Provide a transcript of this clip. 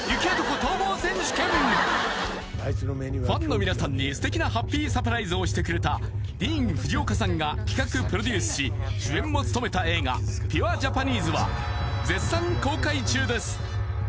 ファンの皆さんに素敵なハッピーサプライズをしてくれたディーン・フジオカさんが企画・プロデュースし主演も務めた映画「ＰｕｒｅＪａｐａｎｅｓｅ」は絶賛公開中です